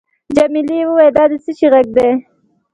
جميلې وويل:: دا د څه شي ږغ دی؟